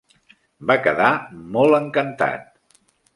Va quedar molt encantat.